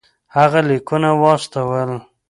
هغه لیکونه واستول.